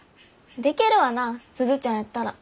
でけるわな鈴ちゃんやったら。